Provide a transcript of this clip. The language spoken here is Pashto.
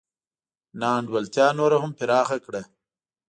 نا انډولتیا نوره هم پراخه کړه.